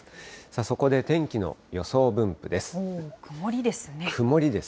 そこで天気の予想分布です。